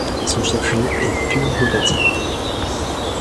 Son chef-lieu est Purwodadi.